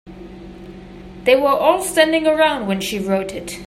They were all standing around when she wrote it.